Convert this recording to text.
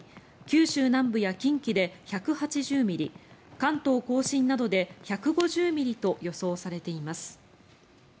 九州南部や近畿で１８０ミリ関東・甲信などで１５０ミリと予想されています。